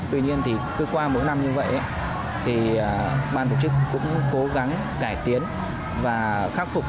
tuy nhiên thì cứ qua mỗi năm như vậy thì ban tổ chức cũng cố gắng cải tiến và khắc phục